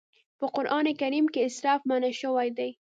په قرآن کريم کې اسراف منع شوی دی.